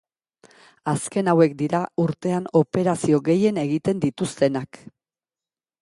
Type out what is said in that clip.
Azken hauek dira urtean operazio gehien egiten dituztenak.